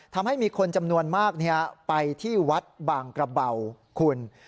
ทำให้มีคนจำนวนมากไปที่วัดบางกระเบาคุณ